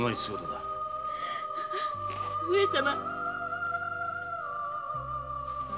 上様。